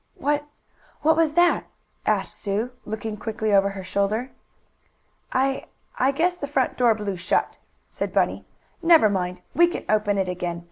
"What what was that?" asked Sue, looking quickly over her shoulder. "I I guess the front door blew shut," said Bunny. "Never mind, we can open it again.